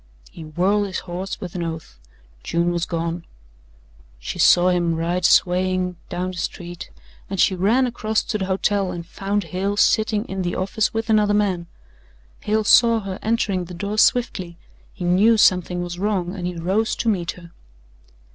He whirled his horse with an oath June was gone. She saw him ride swaying down the street and she ran across to the hotel and found Hale sitting in the office with another man. Hale saw her entering the door swiftly, he knew something was wrong and he rose to meet her.